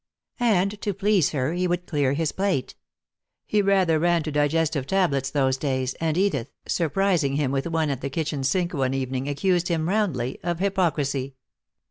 And to please her he would clear his plate. He rather ran to digestive tablets those days, and Edith, surprising him with one at the kitchen sink one evening, accused him roundly of hypocrisy.